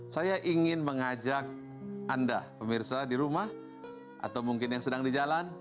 saya ingin mengajak anda pemirsa di rumah atau mungkin yang sedang di jalan